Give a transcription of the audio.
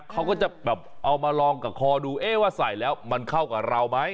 เขาก็จะแบบเอามาลองกับคอดูเอ๊ะว่าใส่แล้วมันเข้ากับเราไหม